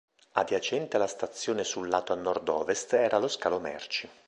Adiacente alla stazione sul lato a nord-ovest era lo scalo merci.